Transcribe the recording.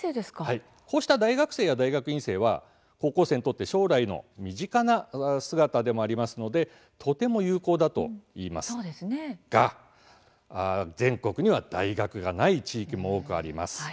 こうした大学生や大学院生は高校生にとって将来の身近な姿でもありますのでとても有効だといいますが全国には大学がない地域も多くあります。